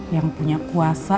yang punya kuasa